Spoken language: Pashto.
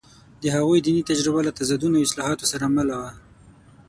د هغوی دیني تجربه له تضادونو او اصلاحاتو سره مله وه.